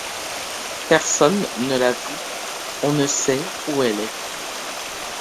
Personne ne l'a vue, on ne sait où elle est.